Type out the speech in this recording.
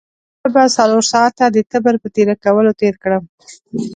زه به څلور ساعته د تبر په تېره کولو تېر کړم.